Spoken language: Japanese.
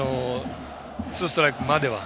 ツーストライクまでは。